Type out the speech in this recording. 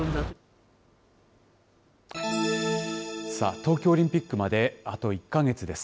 東京オリンピックまであと１か月です。